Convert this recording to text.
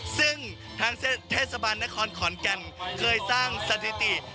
ซึ่งทางเทศบาลนครขอนแก่นเคยสร้างสถิติ